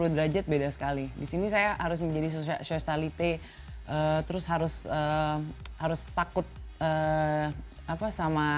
satu ratus delapan puluh derajat beda sekali disini saya harus menjadi sosialitas lite terus harus harus takut apa sama